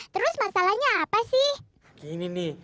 terus masalahnya apa sih ini nih